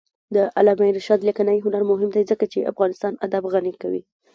د علامه رشاد لیکنی هنر مهم دی ځکه چې افغانستان ادب غني کوي.